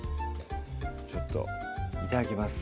ちょっといただきます